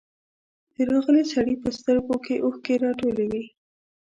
د راغلي سړي په سترګو کې اوښکې راټولې وې.